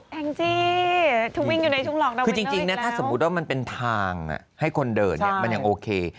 แฮงซ์จีทวิ่งอยู่ในชุมหลอกดวนเต้นเนอร์เอกแล้ว